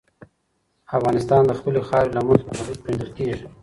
افغانستان د خپلې خاورې له مخې په نړۍ کې پېژندل کېږي.